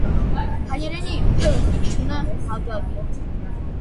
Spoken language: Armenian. Հայերենի հ հնչյունը հագագ է։